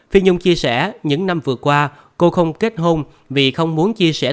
phi nhung chia sẻ những năm vừa qua cô không kết hôn vì không muốn chia sẻ tình hình